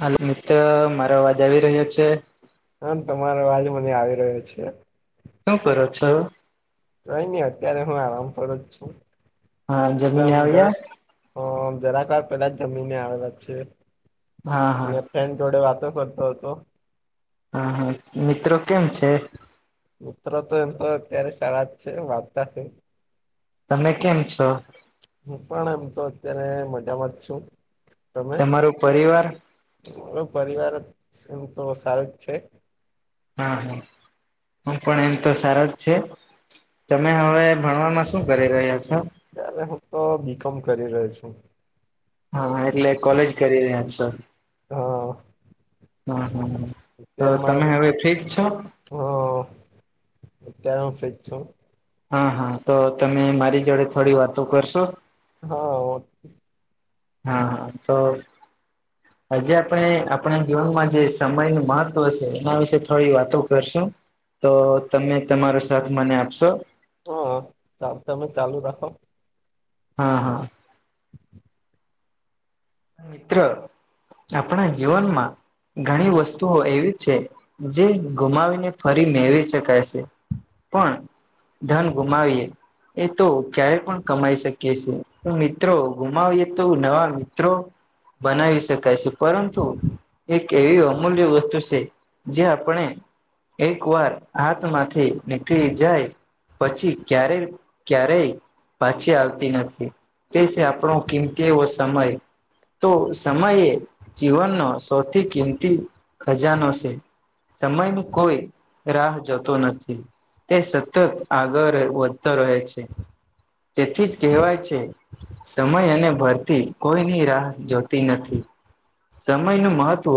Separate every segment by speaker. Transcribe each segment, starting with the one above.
Speaker 1: હાલો મિત્ર મારો અવાજ આવી રહ્યો છે?
Speaker 2: હા તમારો અવાજ મને આવી રહ્યો છે.
Speaker 1: શું કરો છો?
Speaker 2: કાઈ નહી અત્યારે હું આરામ પર જ છું.
Speaker 1: હા જમીને
Speaker 2: એકદમ
Speaker 1: આવ્યા
Speaker 2: જસ અ જરાક વાર પેલા જ જમીને આયવા છે.
Speaker 1: હા હા
Speaker 2: અને ફ્રેન્ડ જોડે વાતો કરતો હતો.
Speaker 1: હા હા મિત્ર કેમ છે?
Speaker 2: મિત્રો તો એમ તો અત્યારે સારા જ છે વાંચતા છે.
Speaker 1: તમે કેમ છો?
Speaker 2: હું પણ એમ તો અત્યારે મજામાં જ છુ.
Speaker 1: તમારો પરિવાર?
Speaker 2: આપણો પરિવાર એમ તો સારો જ છે.
Speaker 1: હા હા હું પણ એમ તો સારો જ છે. તમે હવે ભણવામાં શું કરી રહ્યા છો?
Speaker 2: અત્યારે હું તો બીકોમ કરી રહ્યો છુ.
Speaker 1: હા એટલે કોલેજ કરી રહ્યા છો?
Speaker 2: હા
Speaker 1: હા હા હમ્મ
Speaker 2: અત્યારે મારે હહ અત્યારે હું ફ્રી જ છું.
Speaker 1: હા હા તો તમે મારી જોડે થોડી વાતો કરશો?
Speaker 2: હા
Speaker 1: હા હા તો આજે આપણે આપણા જીવનમાં જે સમયનું મહત્વ છે એના વિશે થોડી વાતો કરશું? તો તમે તમારો સાથ મને આપશો?
Speaker 2: હા સાબ તમે ચાલુ રાખો.
Speaker 1: હા હા મિત્ર આપણા જીવનમાં ઘણી વસ્તુઓ એવી છે જે ગુમાવીને ફરી મેળવી શકાય છે. પણ ધન ગુમાવીએ. એ તો ક્યારે પણ કમાઈ શકીએ છીએ. તો મિત્રો ગુમાવીએ તો નવા મિત મિત્રો બનાવી શકાય છે. પરંતુ એક એવી અમૂલ્ય વસ્તુ છે. જે આપણે એકવાર હાથમાંથી નીકળી જાય. પછી ક્યારેય ક્યારેય પાછી આવતી નથી. તે છે આપણો કિંમતી એવો સમય. તો સમયે એ જીવનનો સૌથી કિંમતી ખજાનો છે. સમયની કોઈ રાહ જોતો નથી. તે સતત આગળ વધતો રહે છે. તેથી જ કહેવાય છે સમય અને ભરતી કોઈ ની રાહ જોતી નથી. સમયનું મહત્વ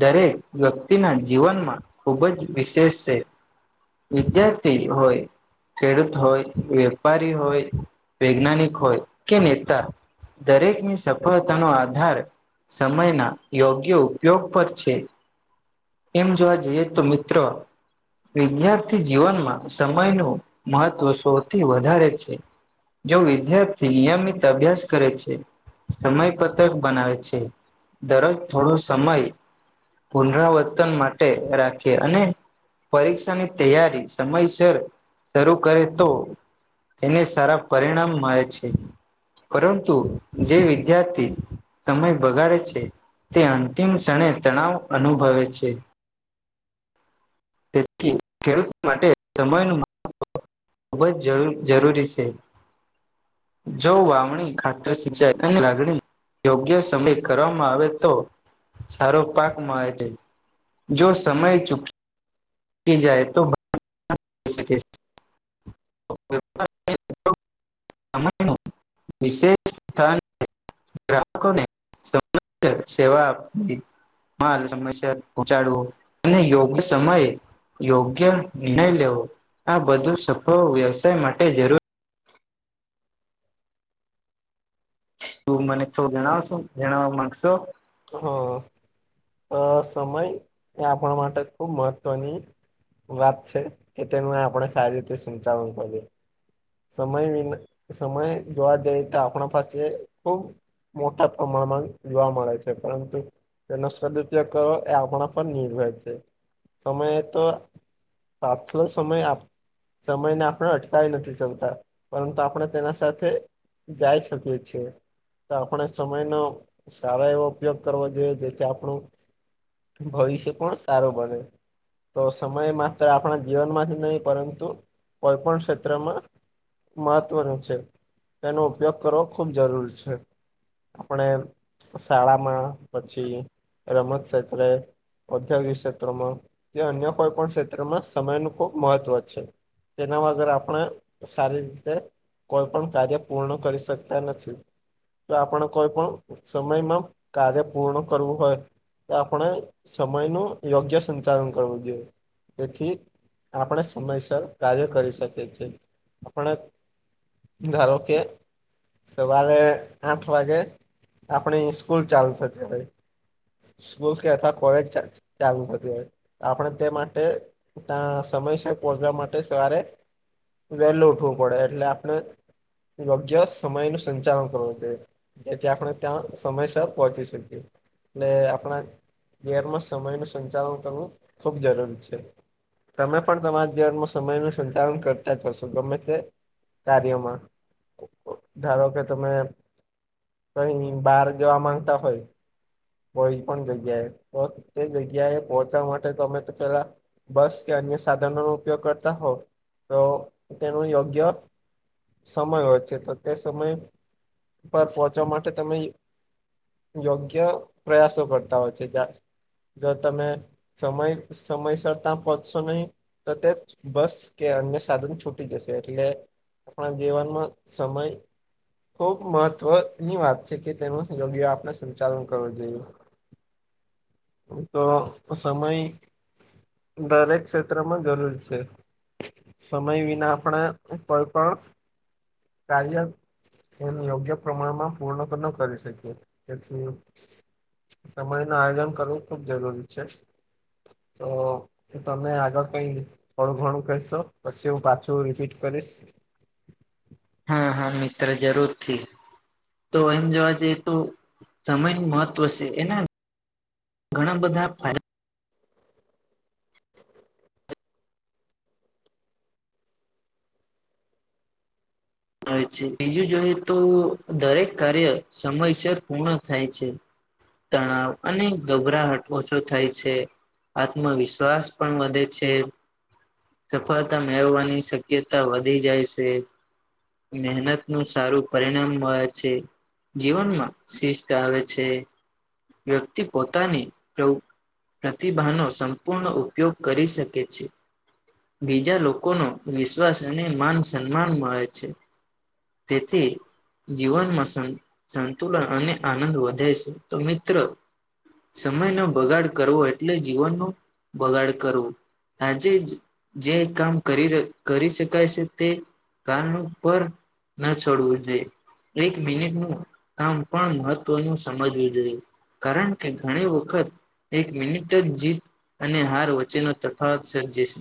Speaker 1: દરેક વ્યક્તિના જીવનમાં ખૂબ જ વિશેષ છે. વિદ્યાર્થી હોય ખેડૂત હોય વેપારી હોય વૈજ્ઞાનિક હોય કે નેતા દરેકની શબ અતાનો આધાર સમયના યોગ્ય ઉપયોગ પર છે. એમ જોવા જઈએ તો મિત્રો વિદ્યાર્થી જીવનમાં સમયનું મહત્વ સૌથી વધારે છે. જો વિદ્યાર્થી નિયમિત અભ્યાસ કરે છે. સમય પત્રક બનાવે છે દરોજ થોડો સમય પુનરાવર્તન માટે રાખે અને પરીક્ષાની તૈયારી સમયસર શરૂ કરે તો તેને સારા પરિણામ મળે છે પરંતુ જે વિ વિદ્યાર્થી સમય બગાડે છે તે અંતિમ ક્ષણે તણાવ અનુભવે છે. તેથી ખેડૂત માટે સમયનુ મહવ ખૂબ જ જરૂરી છે જો વાવણી ખાતર સિંચાઈ યોગ્ય સમયે કરવામાં આવે તો સારો પાક મળે છે જો સમય ચૂક કી જાય તો [unintelligible] સમયનો વિશેષ સ્થાન ગ્રાહકોને સંમબધ સેવા આપવી. માલ સમયસર પહોંચાડવું અને યોગ્ય સમયે યોગ્ય નિર્ણય લેવો આ બધું સફળ વ્યવસાય માટે જરૂર તું મને થોડું જણાવશું જણાવવા માંગશો.
Speaker 2: હા અ સમય એ આપણા માટે ખુબ મહત્વની વાત છે કે તેનું આપણે સારી રીતે સંચાલન કરીએ. સમય વિના સમય જોવા જઈ તો આપણા પાસે ખુબ મોટા પ્રમાણમાં જોવા મળે છે પરંતુ તેનો સદપયોગ કરવો એ આપણા પર નિર્ભર છે સમય તો તો આટલો સમય સમયને આપણે અટકાવી નથી શક તા પરંતુ આપણે તેના સાથે જાય શકીએ છીએ. તો આપણે સમયનો સારો એવો ઊપયોગ કરવો જોઈએ જેથી આપણું ભવિષ્ય પણ સારો બને. તો સમય માત્ર આપણા જીવનમાં જ નહીં પરંતુ કોઈ પણ ક્ષેત્રમાં મહત્વનું છે તેનો ઉપયોગ કરવો ખૂબ જરૂર છે આપણે શાળામાં પછી રમત ક્ષેત્રે ઔદ્યોગિક ક્ષેત્રોમાં કે અન્ય કોઈ પણ ક્ષેત્રમાં સમયનુ ખૂબ મહત્વ છે. તેના વગર આપણે સારી રીતે કોઈ પણ કાર્ય પૂર્ણ કરી શકતા નથી. તો આપણે કોઈ પણ સમયમાં કાર્ય પૂર્ણ કરવું હોય તો આપણે સમયનું યોગ્ય સંચાલન કરવું જોઈએ. તેથી આપણે સમયસર કાર્ય કરી શકીએ છે. આપણે ધારો કે સવારે આઠ વાગે આપણી સ્કૂલ ચાલુ થતી હોય સ્કૂલ કે અથવા કોલેજ ચ ચાલુ થતી હોય આપણે તે માટે ત્યાં સમયસર પહોંચવા માટે સવારે વહેલો ઉઠવો પડે એટલે આપણે યોગ્ય સમયનું સંચાલન કરવું જોઈએ. જેથી આપણે ત્યાં સમયસર પહોંચી શકીએ. એટલે આપણા ઘેરમાં સમય નુ સંચાલન કરવું ખૂબ જરૂરી છે. તમે પણ તમારા જીવનમાં સમયનું સંચાલન કરતા જ હશો. સુગમ તે કાર્યમાં ધારો કે તમે કઈ નહિ બહાર જવા માંગતા હોય. કોઈ પણ જગ્યાએ તો તે, જગ્યા એ પહોંચવા માટે, તો અમે તો પેલા બસ કે, અન્ય સાધનો ન ઉપયોગ કરતા હો તો, તેનું યોગ્ય સમય હોય છે, તો તે સમય પર પહોંચવા માટે તમે યોગ્ય પ્રયાસો કરતા હોય છે, જ જો તમે સમય સમયસર ત્યાં પહોંચશો નહીં તો, તે બસ કે અન્ય સાધન છૂટ તટી જશે, એટલે આપણા જીવનમાં સમય ખુબ મહત્વની વાત છે કે, તેનું યોગ્ય આપણે સંચાલન કરવું જોઈએ.
Speaker 1: [inaudible]
Speaker 2: તો સમય દરેક ક્ષેત્રમાં જરૂર છે, સમય વિના આપણે કોઈ પણ કાર્ય એ યોગ્ય પ્રમાણમાં પૂર્ણ ન કરી શકીએ. સમય નું આયોજન કરવું ખુબ જરૂરી છે. તો તમે આગળ કઈ અળું ઘણું કશો, પછી એવું પાછ શું રિપીટ કરીશ?
Speaker 1: હા, હા, મિત્ર જરૂર થી. તો એમ જોવા જઈએ તો, સમય નું મહત્વ છે એના. ઘણા બધા ફાયદા. હોય છે, બીજું જોઈએ તો દરેક કાર્ય સમયસર પૂર્ણ થાય છે. તણાવ અને ગભરાહટ ઓછો થાય છે. આત્મવિશ્વાસ પણ વધે છે. સફળતા મેળવવાની શક્યતા વધી જાય છે. મહેનત નું સારું પરિણામ મળે છે. જીવનમાં શિસ્ત વ્યક્તિ પોતાની પ્રતિભાનો સંપૂર્ણ ઉપયોગ કરી શકે છે. બીજા લોકોનો વિશ્વાસ અને માન સન્માન મળે છે. તેથી જીવનમાં સંતુલન વધે છે, તો મિત્રો સમય નો બગાડ કરવો, એટલે જીવનનો બગાડ કરવો. આજે જ જે કામ કરી કરી શકાય છે, તે કારનું પર ન છોડવું જોઈએ. એક મિનિટનું કામ પણ મહત્વનું સમજવું જોઈએ. કારણ કે ઘણી વખત એક મિનિટ જ જીત અને હાર વચ્ચેનો તફાવત સર્જે છે.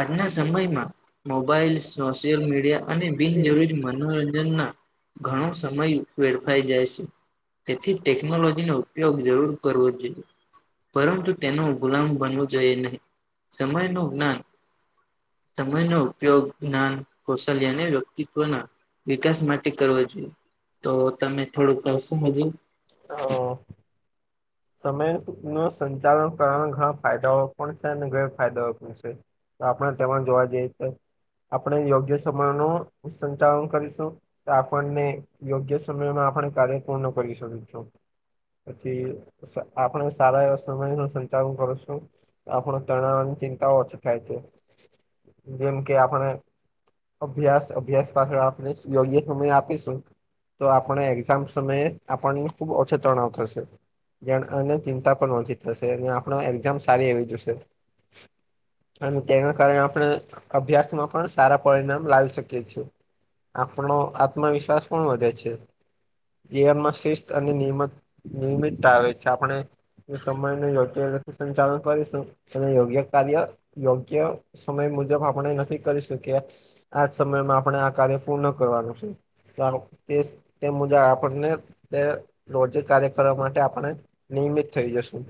Speaker 1: આજના સમયમાં મોબાઈલ સોશિયલ મીડિયા અને બિનજરૂરી મનો મનોરંજન ના ઘણો સમય વેડફાઈ જાય છે. તેથી ટેકનોલોજીનો ઉપયોગ જરૂર કરવો જ જોઈએ. પરંતુ તેનો ગુલામ બનવો જોઈએ નહીં, સમય નું જ્ઞાન સમય ઉપયોગ લેને અને વિકાસ કરવો જોઈએ. તો તમે થોડુંક કરશો હજી?
Speaker 2: હા. સમય નું સંચાલન કરવાના ઘણા ફાયદાઓ પણ છે, અને ગેરફાયદાઓ પણ છે. તો આપણે તેમાં જોવા જઈ તો, આપણે યોગ્ય સમય નું સંચાલન કરીશું. તો આપણને યોગ્ય સમયમાં આપણે કાર્ય પૂર્ણ કરી શકીશું. પછી સા આપણે સારા એવા સમયનું સંચાલન કરું છું આપણું તણાવ ને ચિંતાઓ ઓછી થાય છે. જેમ કે આપણે અભ્યાસ-અભ્યાસ પાછળ આપણે યોગ્ય સમય આપીશું તો આપણે એક્ઝામ સમયે આપણને ખુબ ઓછો તણાવ થશે.. [unintelligible] અને ચિંતા પણ ઓછી થશે. ને આપણા એક્ઝામ સારી એવી જશે. અને તેના કારણે આપણે અભ્યાસમાં પણ સારા પરિણામ લાવી શકીએ છીએ. આપણો આત્મવિશ્વાસ પણ વધે છે. જીવનમાં શિસ્ત અને નિયમત નિયમિતતા આવે છે. આપણે જો સમયનું યોગ્ય રીતે સંચાલન કરીશું, અને યોગ્ય કાર્ય યોગ્ય સમય મુજબ આપણે નથી કરી શકીએ આજ સમયમાં આપણે આ કાર્ય પૂર્ણ કરવાનું છે. [unintelligible] તે સ, તે જ મુજબ આપણને તે રોજે કાર્ય કરવા માટે આપણે નિયમિત થઈ જશું.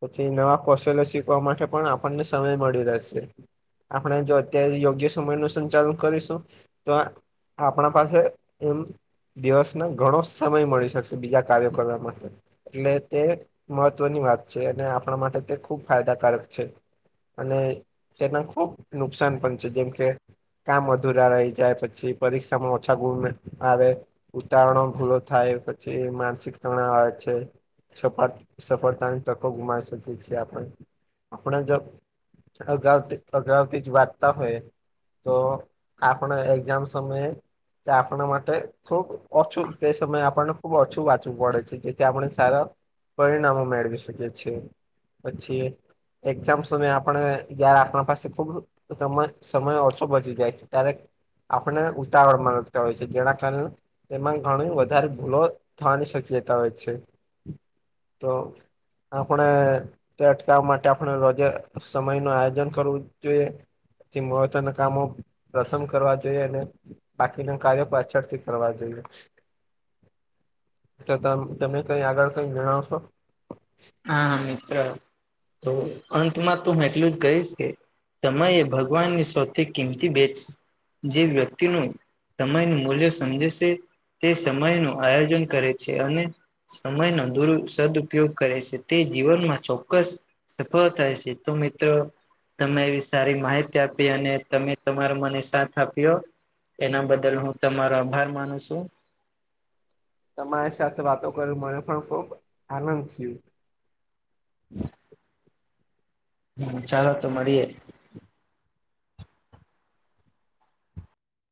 Speaker 2: પછી નવા કૌશલ્ય શીખવા માટે પણ આપણને સમય મળી રહેશે. આપણે જો અત્યારે યોગ્ય સમયનું સંચાલન કરીશું તો આપણા પાસે એમ દિવસ ના ઘણો સમય મળી શકશે, બીજા કાર્યો કરવા માટે. એટલે તે મહત્વની વાત છે. અને આપણા માટે તે ખૂબ ફાયદાકારક છે. અને તેના ખુબ નુકસાન પણ છે. જેમ કે કામ અધુરા રહી જાય, પછી પરીક્ષામાં ઓછા ગુણ આવે ઉતાવળોમ ભૂલો થાય, પછી માનસિક તણાવ આવે છે. સફાત સફળતાની તકો ગુમાવી શકીએ છીએ આપણે. આપણે જો અગાઉથી-અગાઉથી જ વાંચતા હોઈએ તો આપણે એક્ઝામ સમયે તે આપણા માટે ખુબ ઓછું તે સમયે આપણને ખુબ ઓછું વાંચવું પડે છે. જેથી આપણે સારા પરિણામો મેળવી શકીએ છીએ. પછી એક્ઝામ સમયે આપણે, જયારે આપણા પાસે ખુબ [unintelligible] સમય ઓછો બચી જાય છે ત્યારે આપને ઉતાવળમાં લખતા હોય છે. જેના કારણ તેમાં ઘણી વધારે ભૂલો થવાની શક્યતા હોય છે. તો આપણે તે અટકાવવા માટે આપણે રોજે સમય નું આયોજન કરવું જોઈએ. જે મહત્વના કામો પ્રથમ કરવા જોઈએ. અને બાકીના કાર્ય પાછળ થી કરવા જોઈએ.
Speaker 1: [inaudible]
Speaker 2: તો તમ તમે કંઈ આગળ કંઈ જણાવશો?
Speaker 1: હા મિત્ર. તો અંતમાં તો હું એટલું જ કહીશ કે સમય એ ભગવાનની સૌથી કિંમતી ભેટ. જે વ્યક્તિનું સમયનું મૂલ્ય સમજે સે તે સમય નું આયોજન કરે છે. અને સમયનો દુર સદ્ઉપયોગ કરે છે, તે જીવનમાં ચોક્કસ સફળ થાય છે, તો મિત્ર તમે એવી સારી માહિતી અને તમે મને સાથ આપ્યો. એના બદલ હું તમારો આભાર માનું છું.
Speaker 2: તમારી સાથે વાતો કરવી, મને પણ ખુબ આનંદ થયો.
Speaker 1: હમ. હમ, ચાલો તો મળીએે.